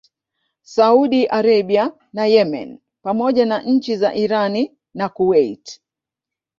Saudi Arabia na Yemeni pamoja na nchi za Irani na Kuwait